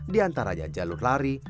diantaranya jalur lari